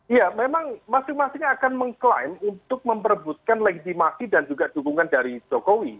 iya memang masing masing akan mengklaim untuk memperebutkan legitimasi dan juga dukungan dari jokowi